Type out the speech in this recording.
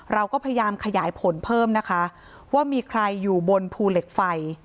เราก็พยายามขยายผลเพิ่มนะคะว่ามีใครอยู่บนภูเหล็กไฟ